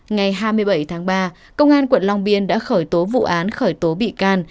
ngày hai mươi bảy tháng ba công an quận long biên đã khởi tố vụ án khởi tố bị can